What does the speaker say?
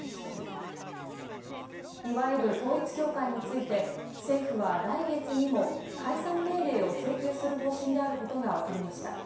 いわゆる統一教会について政府は来月にも解散命令を請求する方針であることが分かりました。